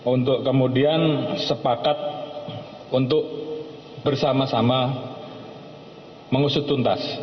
untuk kemudian sepakat untuk bersama sama mengusut tuntas